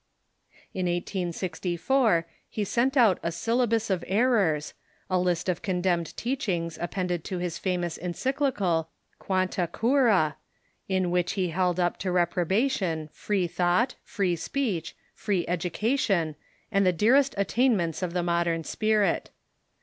In 1864 he sent out a Syllabus of Errors, a list of condemned teachings appended to his famous encyclical Quan ta Cura, in which he held up to reprobation free thought, free speech, free education, and the dearest attainments of the mod ern spirit.